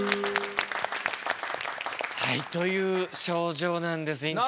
はいという症状なんです院長。